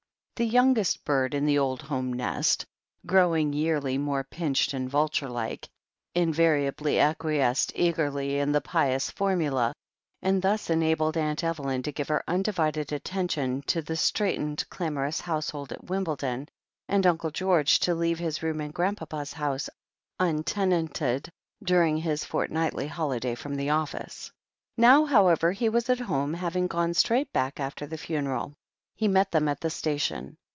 The youngest Wrd in the old home nest, growing yearly more pinched and vulture like, invariably acquiesced eagerly in the pious formula, and thus en abled Atmt Evelyn to give her undivided attention to the straitened, clamorous household at Wimbledon, and Uncle George to leave his room in Grandpapa's house untenanted during his fortnightly holiday from the office. Now, however, he was at home, having gone straight back after the funeral. He met them at the station.